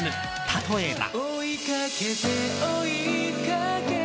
例えば。